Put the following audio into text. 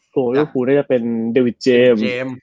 โกลลูกภูมิน่าจะเป็นเดวิทเจมส์